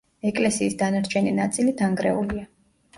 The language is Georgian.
ეკლესიის დანარჩენი ნაწილი დანგრეულია.